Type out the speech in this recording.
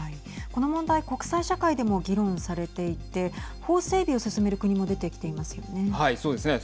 この問題国際社会でも議論されていて法整備を進める国も出てきていますよね。